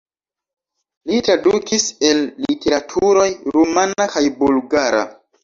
Li tradukis el literaturoj rumana kaj bulgara.